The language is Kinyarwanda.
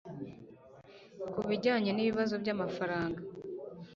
Ku bijyanye n'ibibazo by'amafaranga